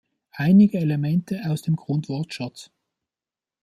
Einige Elemente aus dem Grundwortschatz.